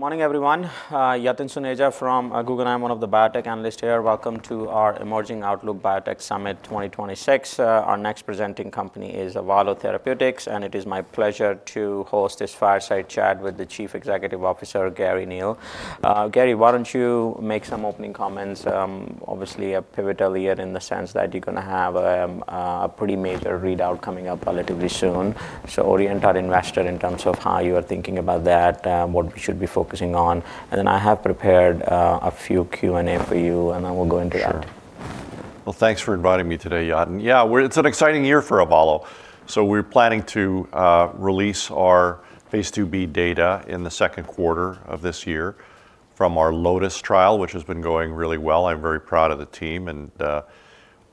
Good morning, everyone. Yatin Suneja from Guggenheim. I'm one of the Biotech Analysts here. Welcome to our Emerging Outlook Biotech Summit 2026. Our next presenting company is Avalo Therapeutics, and it is my pleasure to host this fireside chat with the Chief Executive Officer, Garry Neil. Garry, why don't you make some opening comments? Obviously, a pivotal year in the sense that you're gonna have a pretty major readout coming up relatively soon. So orient our investor in terms of how you are thinking about that, what we should be focusing on. And then I have prepared a few Q&A for you, and I will go into that. Sure. Well, thanks for inviting me today, Yatin. Yeah, we're—it's an exciting year for Avalo. So we're planning to release our phase IIb data in the second quarter of this year from our LOTUS trial, which has been going really well. I'm very proud of the team and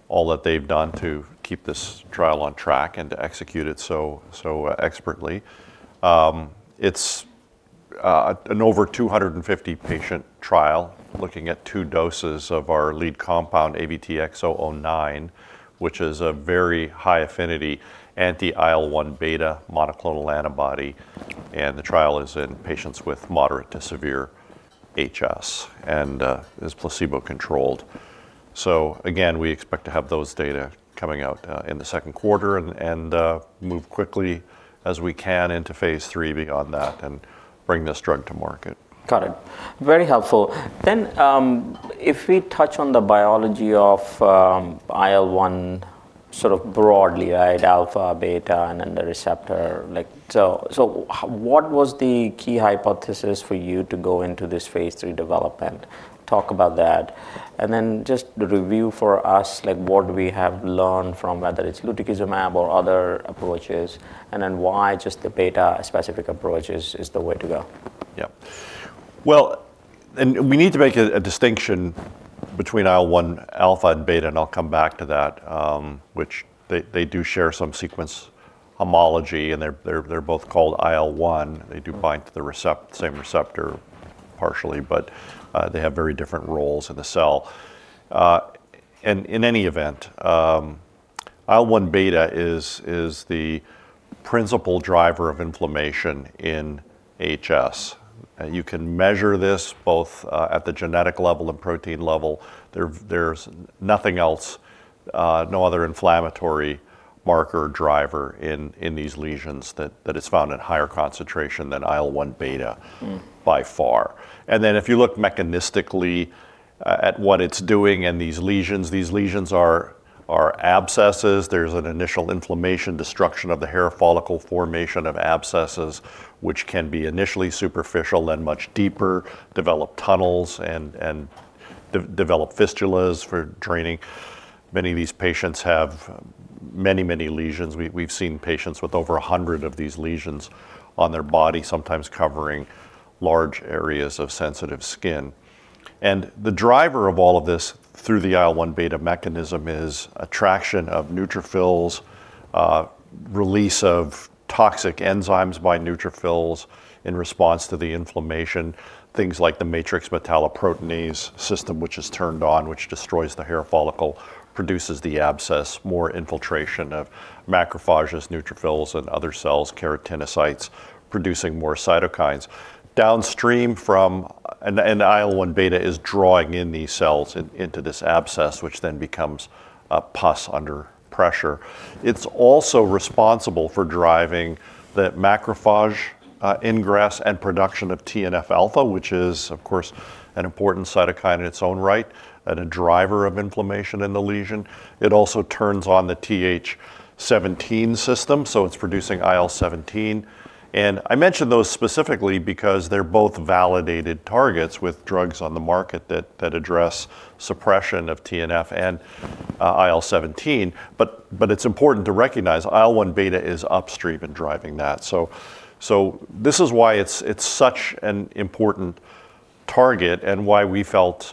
all that they've done to keep this trial on track and to execute it so expertly. It's an over 250-patient trial, looking at two doses of our lead compound, AVTX-009, which is a very high-affinity anti-IL-1 beta monoclonal antibody, and the trial is in patients with moderate to severe HS, and is placebo-controlled. So again, we expect to have those data coming out in the second quarter and move quickly as we can into phase III beyond that and bring this drug to market. Got it. Very helpful. Then, if we touch on the biology of IL-1, sort of broadly, right, alpha, beta, and then the receptor, like... So, what was the key hypothesis for you to go into this phase III development? Talk about that. And then just review for us, like, what we have learned from whether it's lutikizumab or other approaches, and then why just the beta-specific approach is the way to go. Yeah. Well, and we need to make a distinction between IL-1 alpha and beta, and I'll come back to that, which they do share some sequence homology, and they're both called IL-1. Mm. They do bind to the receptor, same receptor partially, but they have very different roles in the cell. And in any event, IL-1 beta is the principal driver of inflammation in HS, and you can measure this both at the genetic level and protein level. There's nothing else, no other inflammatory marker driver in these lesions that is found in higher concentration than IL-1 beta. Mm... by far. And then, if you look mechanistically at what it's doing in these lesions, these lesions are abscesses. There's an initial inflammation, destruction of the hair follicle, formation of abscesses, which can be initially superficial, then much deeper, develop tunnels, and develop fistulas for draining. Many of these patients have many, many lesions. We've seen patients with over 100 of these lesions on their body, sometimes covering large areas of sensitive skin. And the driver of all of this, through the IL-1 beta mechanism, is attraction of neutrophils, release of toxic enzymes by neutrophils in response to the inflammation, things like the matrix metalloproteinase system, which is turned on, which destroys the hair follicle, produces the abscess, more infiltration of macrophages, neutrophils, and other cells, keratinocytes, producing more cytokines. Downstream from... And IL-1 beta is drawing in these cells into this abscess, which then becomes pus under pressure. It's also responsible for driving the macrophage ingress and production of TNF alpha, which is, of course, an important cytokine in its own right and a driver of inflammation in the lesion. It also turns on the Th17 system, so it's producing IL-17. And I mention those specifically because they're both validated targets with drugs on the market that address suppression of TNF and IL-17, but it's important to recognize IL-1 beta is upstream in driving that. This is why it's such an important target and why we felt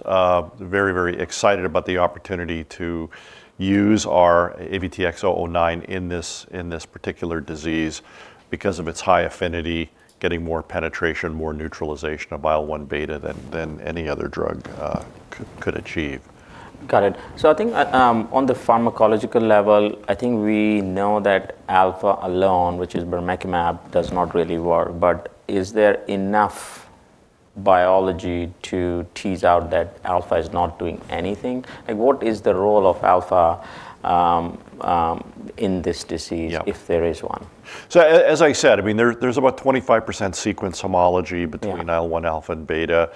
very, very excited about the opportunity to use our AVTX-009 in this particular disease, because of its high affinity, getting more penetration, more neutralization of IL-1 beta than any other drug could achieve. Got it. So I think, on the pharmacological level, I think we know that alpha alone, which is bermekimab, does not really work. But is there enough biology to tease out that alpha is not doing anything? Like, what is the role of alpha in this disease? Yeah... if there is one? So as I said, I mean, there, there's about 25% sequence homology between- Yeah... IL-1 alpha and beta.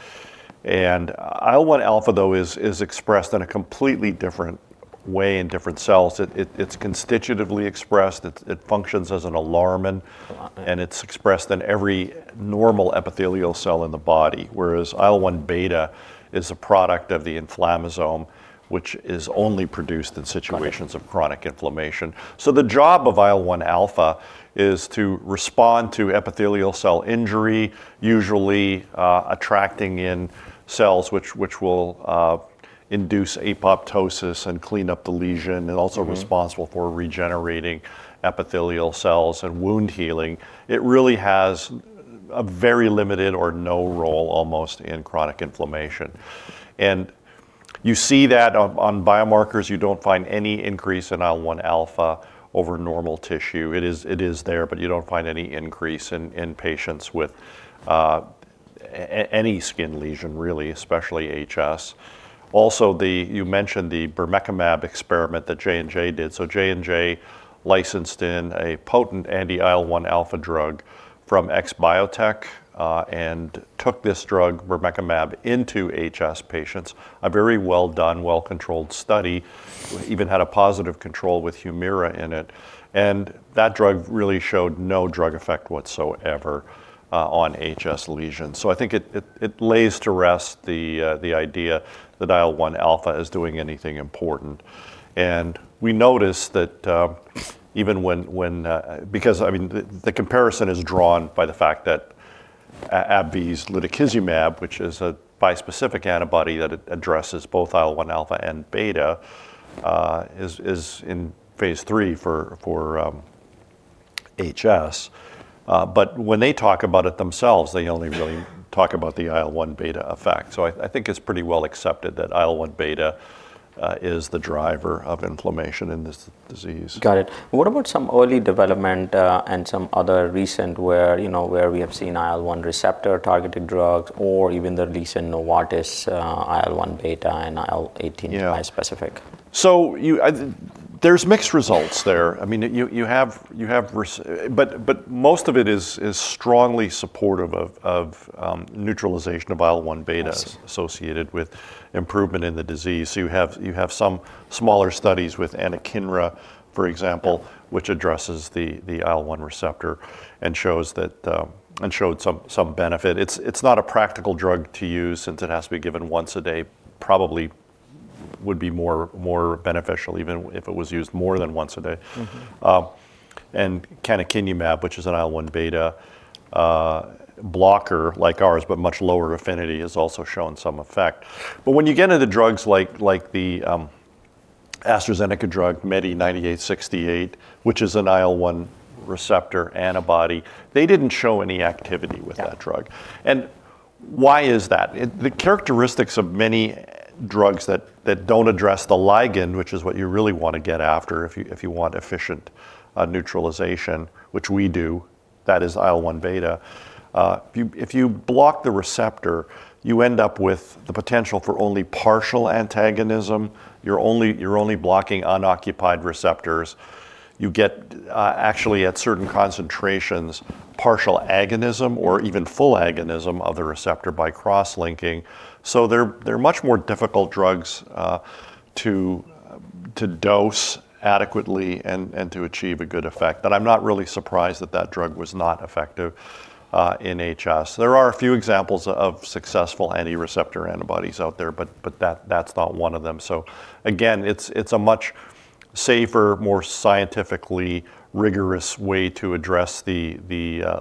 IL-1 alpha, though, is expressed in a completely different way in different cells. It's constitutively expressed. It functions as an alarmin- Uh-huh... and it's expressed in every normal epithelial cell in the body, whereas IL-1 beta is a product of the inflammasome, which is only produced in situations- Got it... of chronic inflammation. So the job of IL-1 alpha is to respond to epithelial cell injury, usually attracting in cells which will induce apoptosis and clean up the lesion. Mm-hmm... and also responsible for regenerating epithelial cells and wound healing. It really has a very limited or no role almost in chronic inflammation. You see that on biomarkers, you don't find any increase in IL-1 alpha over normal tissue. It is there, but you don't find any increase in patients with any skin lesion really, especially HS. Also, you mentioned the bermekimab experiment that J&J did. So J&J licensed in a potent anti-IL-1 alpha drug from XBiotech, and took this drug, bermekimab, into HS patients, a very well done, well-controlled study, even had a positive control with Humira in it, and that drug really showed no drug effect whatsoever on HS lesions. So I think it lays to rest the idea that IL-1 alpha is doing anything important. We noticed that, even when. Because, I mean, the comparison is drawn by the fact that AbbVie's lutikizumab, which is a bispecific antibody that addresses both IL-1 alpha and beta, is in phase III for HS. But when they talk about it themselves, they only really talk about the IL-1 beta effect. So I think it's pretty well accepted that IL-1 beta is the driver of inflammation in this disease. Got it. What about some early development, and some other recent where, you know, where we have seen IL-1 receptor-targeted drugs or even the recent Novartis, IL-1 beta and IL-18 bispecific? Yeah. So you, there's mixed results there. I mean, you have results, but most of it is strongly supportive of neutralization of IL-1 beta- Yes... associated with improvement in the disease. You have some smaller studies with anakinra, for example, which addresses the IL-1 receptor and showed some benefit. It's not a practical drug to use, since it has to be given once a day. Probably would be more beneficial even if it was used more than once a day. Mm-hmm. And canakinumab, which is an IL-1 beta blocker like ours, but much lower affinity, has also shown some effect. But when you get into drugs like the AstraZeneca drug MEDI9868, which is an IL-1 receptor antibody, they didn't show any activity with that drug. Yeah. And why is that? The characteristics of many drugs that don't address the ligand, which is what you really want to get after if you want efficient neutralization, which we do, that is IL-1 beta. If you block the receptor, you end up with the potential for only partial antagonism. You're only blocking unoccupied receptors. You get, actually, at certain concentrations, partial agonism or even full agonism of the receptor by cross-linking. So they're much more difficult drugs to dose adequately and to achieve a good effect. But I'm not really surprised that that drug was not effective in HS. There are a few examples of successful anti-receptor antibodies out there, but that's not one of them. So again, it's a much safer, more scientifically rigorous way to address the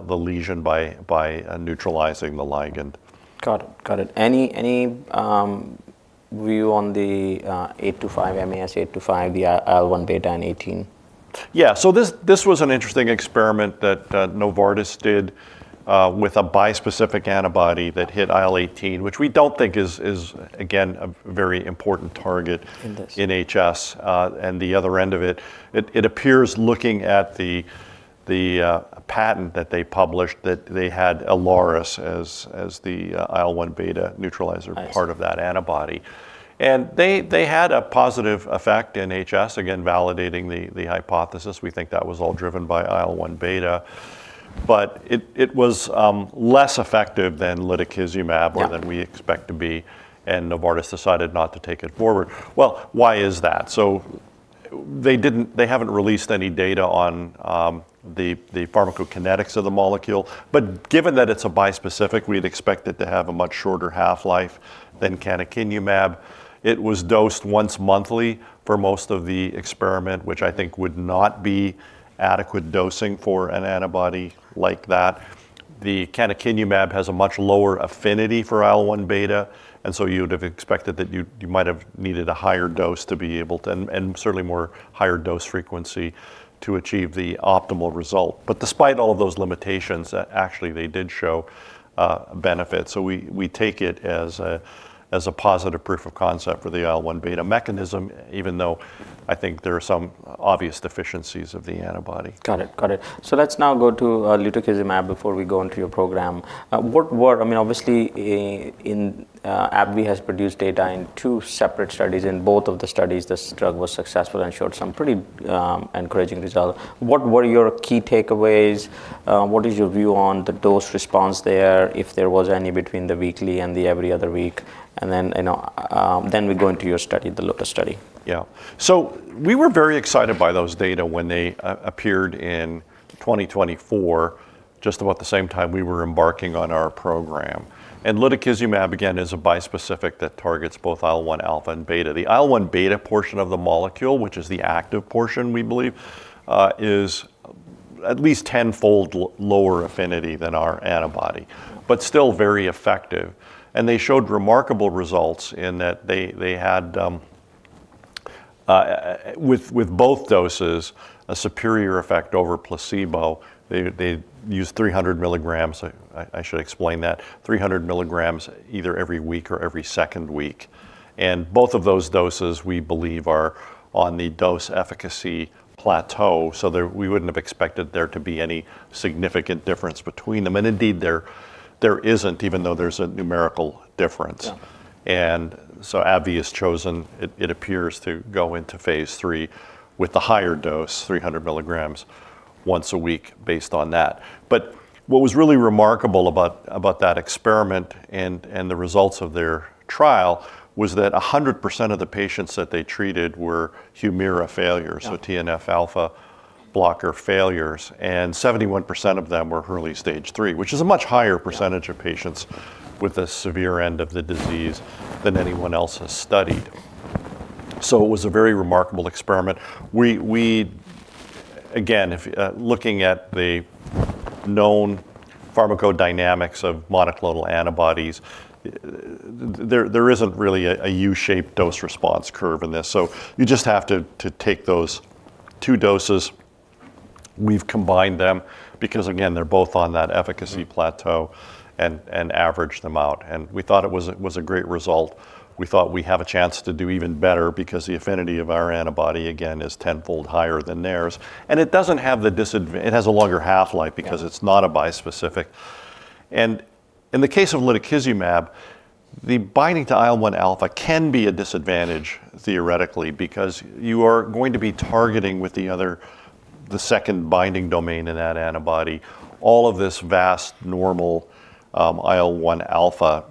lesion by neutralizing the ligand. Got it, got it. Any view on the MAS825, the IL-1 beta and 18? Yeah. So this, this was an interesting experiment that Novartis did with a bispecific antibody that hit IL-18, which we don't think is again a very important target- In this... in HS. And the other end of it, it appears, looking at the patent that they published, that they had ILARIS as the IL-1 beta neutralizer- I see... part of that antibody. And they had a positive effect in HS, again, validating the hypothesis. We think that was all driven by IL-1 beta. But it was less effective than lutikizumab- Yeah... or than we expect to be, and Novartis decided not to take it forward. Well, why is that? They haven't released any data on the pharmacokinetics of the molecule, but given that it's a bispecific, we'd expect it to have a much shorter half-life than canakinumab. It was dosed once monthly for most of the experiment, which I think would not be adequate dosing for an antibody like that. The canakinumab has a much lower affinity for IL-1 beta, and so you would have expected that you might have needed a higher dose to be able to... and certainly more higher dose frequency to achieve the optimal result. But despite all of those limitations, actually they did show benefit. So we take it as a positive proof of concept for the IL-1 beta mechanism, even though I think there are some obvious deficiencies of the antibody. Got it, got it. So let's now go to lutikizumab before we go into your program. I mean, obviously, AbbVie has produced data in two separate studies. In both of the studies, this drug was successful and showed some pretty encouraging results. What were your key takeaways? What is your view on the dose response there, if there was any, between the weekly and the every other week? And then we go into your study, the LOTUS study. Yeah. So we were very excited by those data when they appeared in 2024, just about the same time we were embarking on our program. And lutikizumab, again, is a bispecific that targets both IL-1 alpha and beta. The IL-1 beta portion of the molecule, which is the active portion, we believe, is at least 10-fold lower affinity than our antibody, but still very effective. And they showed remarkable results in that they had, with both doses, a superior effect over placebo. They used 300 mg. I should explain that, 300 mg either every week or every second week, and both of those doses, we believe, are on the dose-efficacy plateau. So, we wouldn't have expected there to be any significant difference between them, and indeed, there isn't, even though there's a numerical difference. Yeah. AbbVie has chosen, it appears, to go into phase III with the higher dose, 300 mg once a week, based on that. But what was really remarkable about that experiment and the results of their trial was that 100% of the patients that they treated were Humira failures- Yeah... so TNF alpha blocker failures, and 71% of them were early stage 3, which is a much higher percentage- Yeah... of patients with the severe end of the disease than anyone else has studied. So it was a very remarkable experiment. We again, looking at the known pharmacodynamics of monoclonal antibodies, there isn't really a U-shaped dose response curve in this. So you just have to take those two doses. We've combined them because, again, they're both on that efficacy plateau- Mm... and averaged them out, and we thought it was a great result. We thought we have a chance to do even better because the affinity of our antibody, again, is tenfold higher than theirs, and it doesn't have the disadvan-- it has a longer half-life- Yeah... because it's not a bispecific. And in the case of lutikizumab, the binding to IL-1 alpha can be a disadvantage theoretically because you are going to be targeting with the other, the second binding domain in that antibody, all of this vast normal IL-1 alpha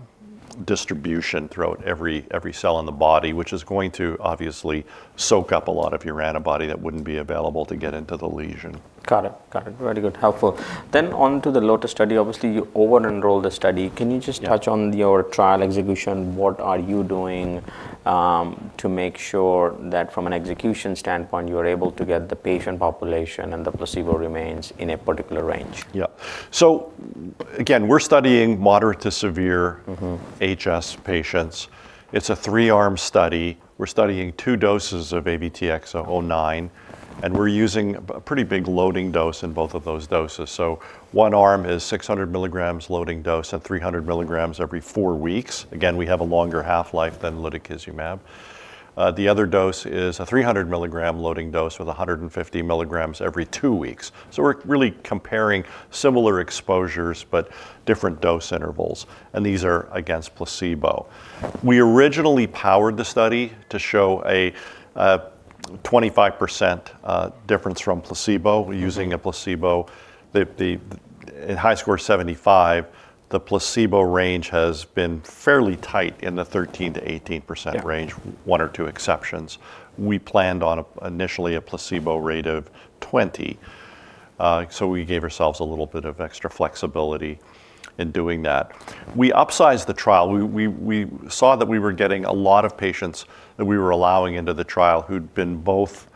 distribution throughout every, every cell in the body, which is going to obviously soak up a lot of your antibody that wouldn't be available to get into the lesion. Got it. Got it. Very good, helpful. Then on to the LOTUS study. Obviously, you over-enrolled the study. Yeah. Can you just touch on your trial execution? What are you doing to make sure that from an execution standpoint, you are able to get the patient population and the placebo remains in a particular range? Yeah. So again, we're studying moderate to severe- Mm-hmm... HS patients. It's a three-arm study. We're studying two doses of AVTX-009, and we're using a pretty big loading dose in both of those doses. So one arm is 600 mg loading dose, and 300 mg every four weeks. Again, we have a longer half-life than lutikizumab. The other dose is a 300 mg loading dose with 150 mg every two weeks. So we're really comparing similar exposures, but different dose intervals, and these are against placebo. We originally powered the study to show a 25%, difference from placebo- Mm... using a placebo. The in HiSCR75, the placebo range has been fairly tight in the 13%-18% range. Yeah... one or two exceptions. We planned on a, initially a placebo rate of 20, so we gave ourselves a little bit of extra flexibility in doing that. We upsized the trial. We saw that we were getting a lot of patients that we were allowing into the trial who'd been both,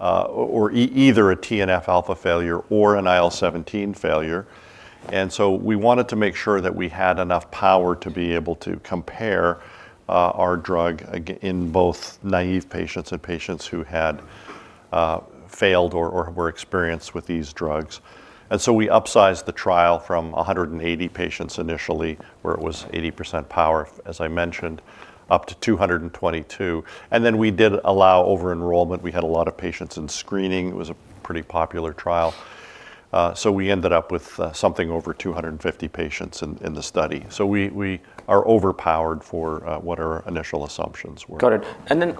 or either a TNF alpha failure or an IL-17 failure, and so we wanted to make sure that we had enough power to be able to compare our drug in both naive patients and patients who had failed or were experienced with these drugs. And so we upsized the trial from 180 patients initially, where it was 80% power, as I mentioned, up to 222, and then we did allow over-enrollment. We had a lot of patients in screening. It was a pretty popular trial. So we ended up with something over 250 patients in the study. So we are overpowered for what our initial assumptions were. Got it, and then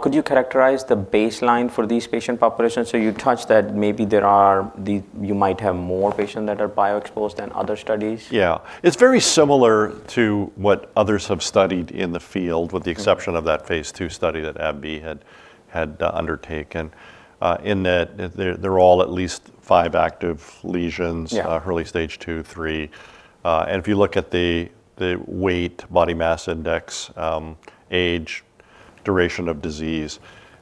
could you characterize the baseline for these patient populations? So you touched that maybe there are the... You might have more patients that are bio-exposed than other studies. Yeah. It's very similar to what others have studied in the field- Mm... with the exception of that phase II study that AbbVie had undertaken in that they're all at least five active lesions- Yeah... early stage 2, 3. And if you look at the weight, body mass index, age, duration of disease,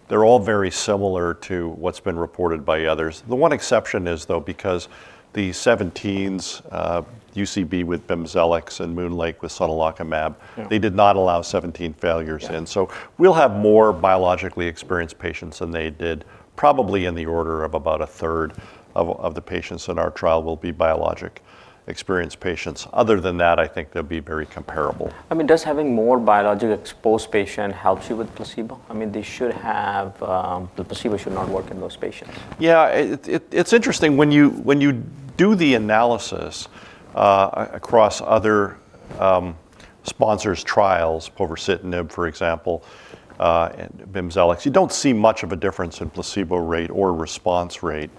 they're all very similar to what's been reported by others. The one exception is, though, because the IL-17s, UCB with Bimzelx and MoonLake with sonelokimab- Yeah... they did not allow 17 failures in. Yeah. So we'll have more biologically experienced patients than they did. Probably in the order of about a third of the patients in our trial will be biologic-experienced patients. Other than that, I think they'll be very comparable. I mean, does having more biologically exposed patient helps you with placebo? I mean, they should have, the placebo should not work in those patients. Yeah, it's interesting, when you do the analysis across other sponsors' trials, povorcitinib, for example, and Bimzelx, you don't see much of a difference in placebo rate or response rate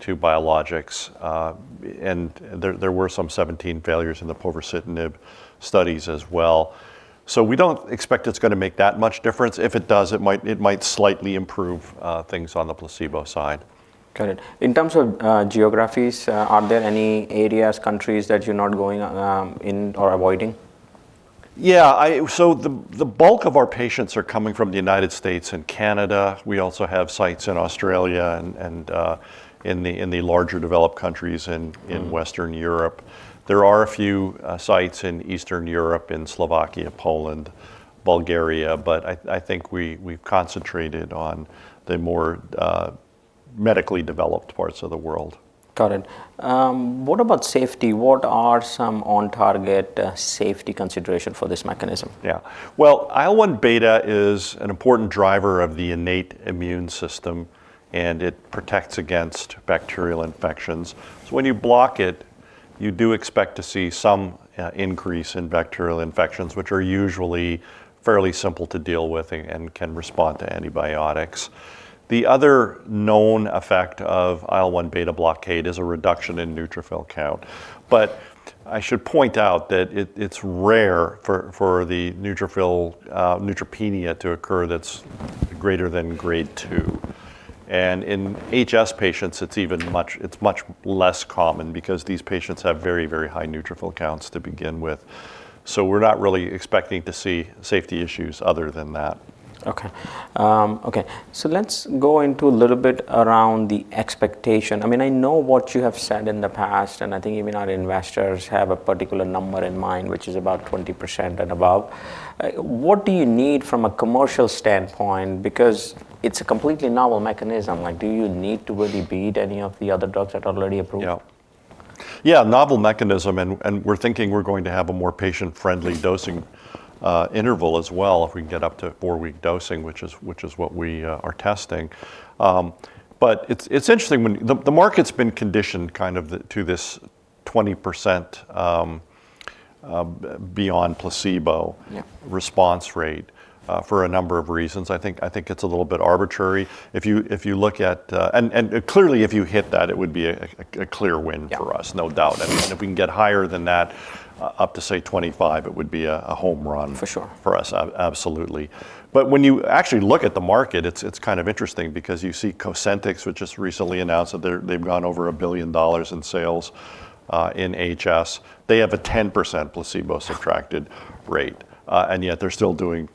to biologics. And there were some IL-17 failures in the povorcitinib studies as well. So we don't expect it's gonna make that much difference. If it does, it might slightly improve things on the placebo side. Got it. In terms of geographies, are there any areas, countries that you're not going in or avoiding? Yeah, so the bulk of our patients are coming from the United States and Canada. We also have sites in Australia and in the larger developed countries in- Mm... in Western Europe. There are a few sites in Eastern Europe, in Slovakia, Poland, Bulgaria, but I think we've concentrated on the more medically developed parts of the world. Got it. What about safety? What are some on-target safety consideration for this mechanism? Yeah. Well, IL-1 beta is an important driver of the innate immune system, and it protects against bacterial infections. So when you block it, you do expect to see some increase in bacterial infections, which are usually fairly simple to deal with and can respond to antibiotics. The other known effect of IL-1 beta blockade is a reduction in neutrophil count. But I should point out that it's rare for the neutropenia to occur that's greater than grade 2. And in HS patients, it's even much less common because these patients have very, very high neutrophil counts to begin with. So we're not really expecting to see safety issues other than that. Okay. Okay, so let's go into a little bit around the expectation. I mean, I know what you have said in the past, and I think even our investors have a particular number in mind, which is about 20% and above. What do you need from a commercial standpoint? Because it's a completely novel mechanism, like, do you need to really beat any of the other drugs that are already approved? Yeah. Yeah, novel mechanism, and we're thinking we're going to have a more patient-friendly dosing interval as well, if we can get up to four-week dosing, which is what we are testing. But it's interesting when... The market's been conditioned kind of to this 20% beyond placebo- Yeah... response rate for a number of reasons. I think it's a little bit arbitrary. If you look at... Clearly, if you hit that, it would be a clear win for us- Yeah... no doubt. I mean, if we can get higher than that, up to, say, 25, it would be a home run- For sure... for us, absolutely. But when you actually look at the market, it's kind of interesting because you see Cosentyx, which just recently announced that they've gone over $1 billion in sales in HS. They have a 10% placebo-subtracted rate, and yet they're still doing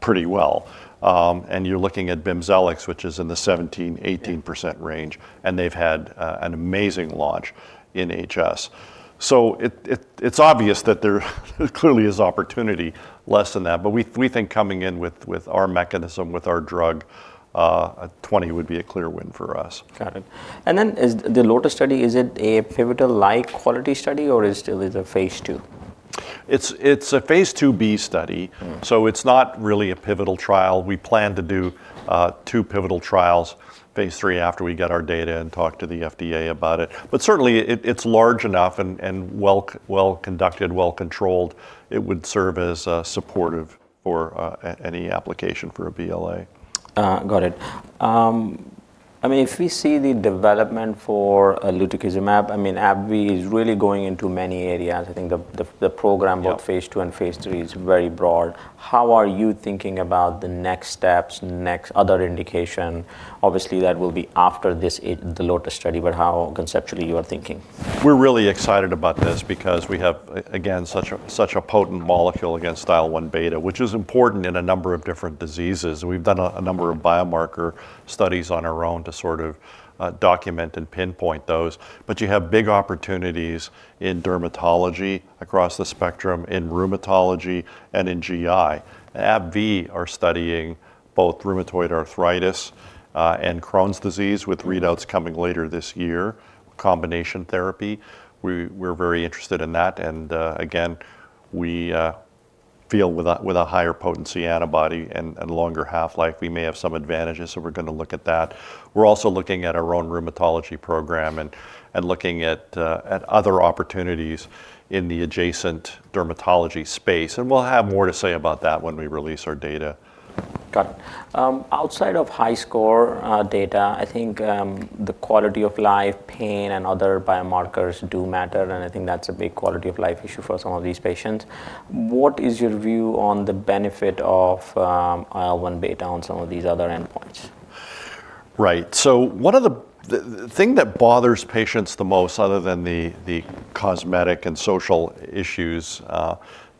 pretty well. And you're looking at Bimzelx, which is in the 17%-18% range, and they've had an amazing launch in HS. So it's obvious that there clearly is opportunity less than that. But we think coming in with our mechanism, with our drug, a 20% would be a clear win for us. Got it. And then is the LOTUS Study a pivotal like quality study, or it still is a phase II? It's a phase IIb study. Mm. So it's not really a pivotal trial. We plan to do two pivotal trials, phase III, after we get our data and talk to the FDA about it. But certainly, it, it's large enough and well conducted, well controlled. It would serve as supportive for any application for a BLA. Got it. I mean, if we see the development for lutikizumab, I mean, AbbVie is really going into many areas. I think the program- Yeah... both phase II and phase III, is very broad. How are you thinking about the next steps, next other indication? Obviously, that will be after this, the LOTUS Study, but how conceptually you are thinking? We're really excited about this because we have, again, such a potent molecule against IL-1 beta, which is important in a number of different diseases. We've done a number of biomarker studies on our own to sort of document and pinpoint those. But you have big opportunities in dermatology across the spectrum, in rheumatology, and in GI. AbbVie are studying both rheumatoid arthritis and Crohn's disease, with readouts coming later this year, combination therapy. We're very interested in that, and again, we feel with a higher potency antibody and longer half-life, we may have some advantages, so we're gonna look at that. We're also looking at our own rheumatology program and looking at other opportunities in the adjacent dermatology space, and we'll have more to say about that when we release our data. Got it. Outside of HiSCR data, I think the quality of life, pain, and other biomarkers do matter, and I think that's a big quality of life issue for some of these patients. What is your view on the benefit of IL-1 beta on some of these other endpoints? Right. So one of the thing that bothers patients the most, other than the cosmetic and social issues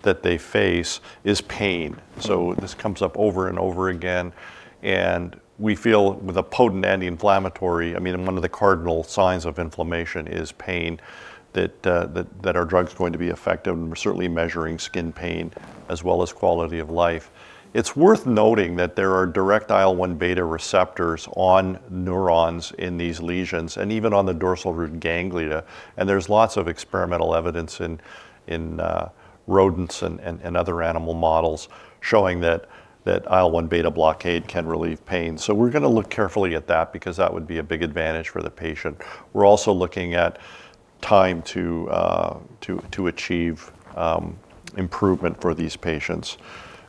that they face, is pain. So this comes up over and over again, and we feel with a potent anti-inflammatory, I mean, and one of the cardinal signs of inflammation is pain, that our drug's going to be effective, and we're certainly measuring skin pain as well as quality of life. It's worth noting that there are direct IL-1 beta receptors on neurons in these lesions, and even on the dorsal root ganglia, and there's lots of experimental evidence in rodents and other animal models showing that IL-1 beta blockade can relieve pain. So we're gonna look carefully at that because that would be a big advantage for the patient. We're also looking at time to achieve improvement for these patients.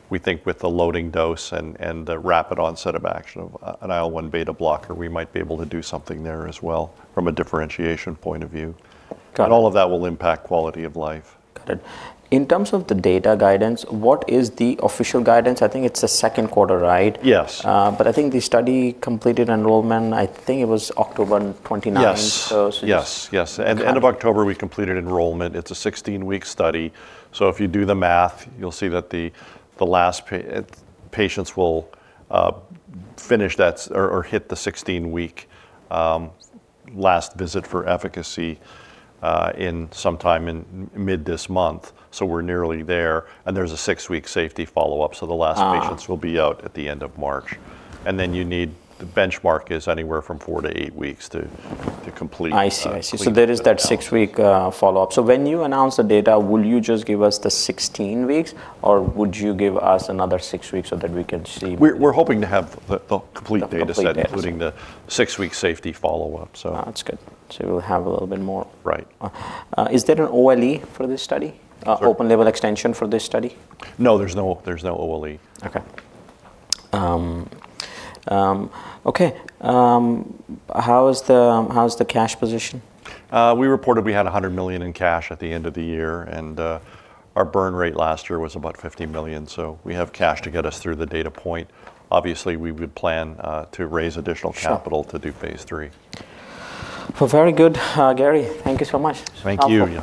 We think with the loading dose and the rapid onset of action of an IL-1 beta blocker, we might be able to do something there as well from a differentiation point of view. Got it. All of that will impact quality of life. Got it. In terms of the data guidance, what is the official guidance? I think it's the second quarter, right? Yes. But I think the study completed enrollment. I think it was October 29- Yes... so Yes, yes. Got it. At the end of October, we completed enrollment. It's a 16-week study, so if you do the math, you'll see that the last patients will finish that or hit the 16-week last visit for efficacy in sometime in mid this month. So we're nearly there, and there's a six-week safety follow-up, so the last- Ah... patients will be out at the end of March. And then you need... The benchmark is anywhere from 4-8 weeks to complete- I see, I see.... complete the- So there is that six-week follow-up. So when you announce the data, will you just give us the 16 weeks, or would you give us another six weeks so that we can see- We're hoping to have the complete data set- The complete data.... including the six-week safety follow-up, so. Ah, that's good. So we'll have a little bit more. Right. Is there an OLE for this study? Sorry? Open-label extension for this study? No, there's no, there's no OLE. Okay. Okay, how is the cash position? We reported we had $100 million in cash at the end of the year, and, our burn rate last year was about $50 million, so we have cash to get us through the data point. Obviously, we would plan, to raise additional capital- Sure... to do phase III. Well, very good, Garry. Thank you so much. Thank you.